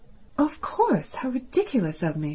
"Oh of course—how ridiculous of me!"